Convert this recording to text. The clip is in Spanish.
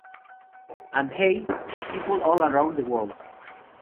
And Hey!, people all around the world.